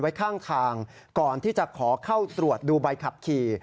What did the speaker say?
ไว้ข้างทางก่อนที่จะขอเข้าตรวจดูใบขับขี่